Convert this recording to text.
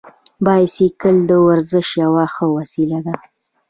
بایسکل د ورزش یوه ښه وسیله ده.